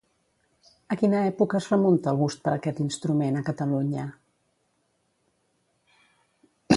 A quina època es remunta el gust per aquest instrument a Catalunya?